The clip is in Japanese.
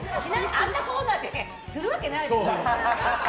あんなコーナーでするわけないでしょ！